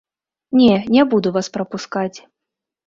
Не, не буду вас прапускаць.